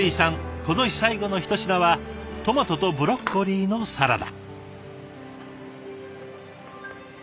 この日最後のひと品はトマトとブロッコリーのサラダ。